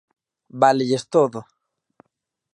Válelles todo.